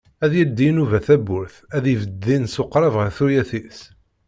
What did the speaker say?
Ad d-yeldi inuba tawwurt ad ibed din s uqrab ɣef tuyat-is.